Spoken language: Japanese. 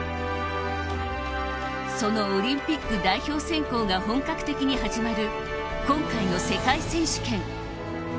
そのオリンピック代表選考が本格的に始まる今回の世界選手権。